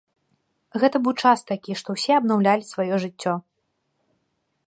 Гэта быў час такі, што ўсе абнаўлялі сваё жыццё.